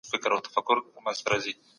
اثر د لیکوال د زړه محصول دئ.